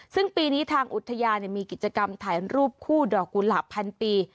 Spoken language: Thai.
ซึ่งปีนี้ทางอุทยานมีกิจกรรมถ่ายรูปคู่ดอกกุหลาบพันปี